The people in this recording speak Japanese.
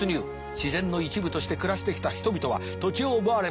自然の一部として暮らしてきた人々は土地を奪われました。